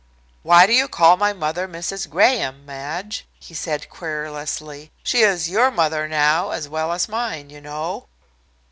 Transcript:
"Why do you call my mother Mrs. Graham, Madge?" he said querulously. "She is your mother now as well as mine, you know."